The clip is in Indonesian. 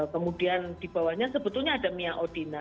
kemudian di bawahnya sebetulnya ada mia odina